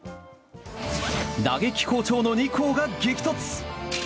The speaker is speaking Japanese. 打撃好調の２校が激突！